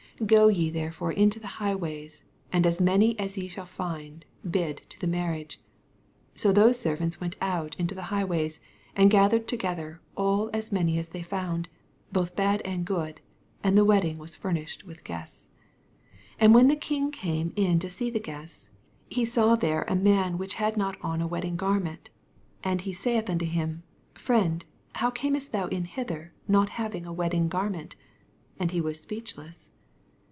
9 Go ye therefore into the high ways, and as many as ye shall find, bid to the marriage. 10 So those servants went out into the highways, and gathered together all as many as they found, both bad and good : and the wedding was fur nished with guests. 11 And when the king came in to see the guests, he saw there a man which h^ not on a wedding garment: 12 And he saith unto him, Friend, how earnest thou in hither not having a wedding garment? And he was speechless.